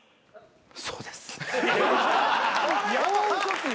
そうです。